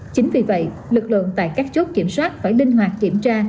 chính vì vậy lực lượng tại các chốt kiểm soát phải linh hoạt kiểm tra